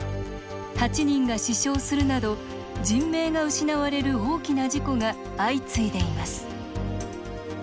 ８人が死傷するなど人命が失われる大きな事故が相次いでいます。